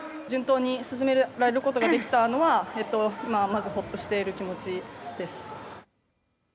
順当に進められることができたのはまずホッとしている気持ちです。